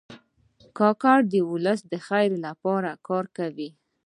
کاکړ د ولس د خیر لپاره کار کوي.